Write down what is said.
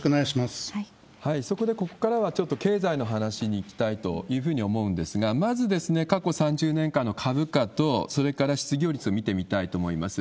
そこでここからはちょっと経済の話にいきたいというふうに思うんですが、まず、過去３０年間の株価と、それから失業率を見ていきたいと思います。